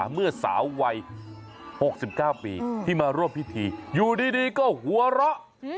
เมื่อสาววัย๖๙ปีที่มาร่วมพิธีอยู่ดีก็หัวเราะ